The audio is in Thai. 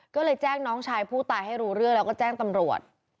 ก็เลยแจ้งน้องชายผู้ตายให้รู้เรื่องแล้วก็แจ้งตำรวจ